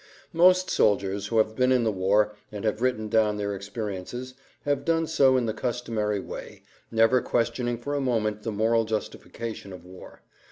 Most soldiers who have been in the war and have written down their experiences have done so in the customary way, never questioning for a moment the moral justification of war.